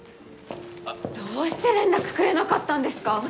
あっどうして連絡くれなかったんですか？